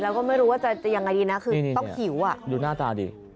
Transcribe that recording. แล้วก็ไม่รู้ว่าจะยังไงดีนะคือต้องหิวอ่ะดูหน้าตาดี